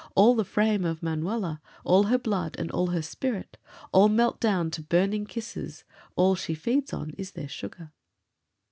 All the frame of Manuela, All her blood and all her spirit, All melt down to burning kisses, All she feeds on is their sugar.